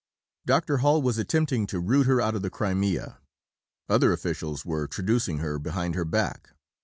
Dr. Hall was "attempting to root her out of the Crimea." Other officials were traducing her behind her back.